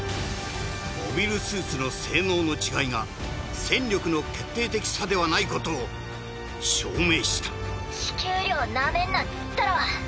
モビルスーツの性能の違いが戦力の決定的差ではないことを証明した地球寮なめんなっつったろ。